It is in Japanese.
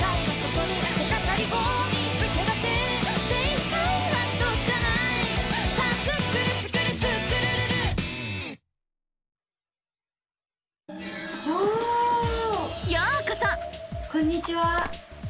こんにちは。